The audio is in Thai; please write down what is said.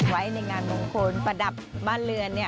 ไว้ในงานบุคคลประดับบ้านเรือนเนี่ย